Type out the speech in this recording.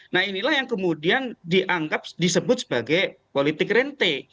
nah inilah yang kemudian dianggap disebut sebagai politik rente